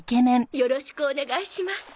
よろしくお願いします。